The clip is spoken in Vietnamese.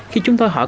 khi chúng tôi hỏi